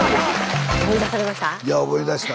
思い出されました？